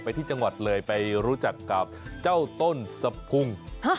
ที่จังหวัดเลยไปรู้จักกับเจ้าต้นสะพุง